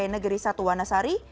negeri satu wanasari